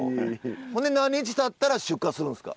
ほんで何日たったら出荷するんすか？